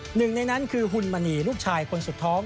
หนึ่งในนั้นคือหุ่นมณีลูกชายคนสุดท้อง